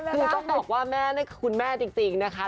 คือต้องบอกว่าแม่นี่คือคุณแม่จริงนะคะ